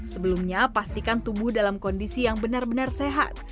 sehingga pastikan tumbuh dalam kondisi yang benar benar sehat